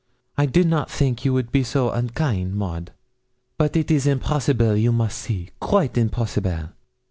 I did not think you would be so unkain, Maud; but it is impossible, you must see quite impossible.